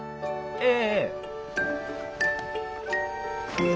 ええ。